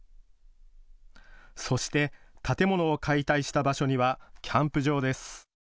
そして建物を解体した場所にはキャンプ場です。